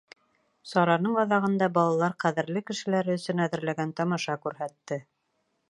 Сараның аҙағында балалар ҡәҙерле кешеләре өсөн әҙерләгән тамаша күрһәтте.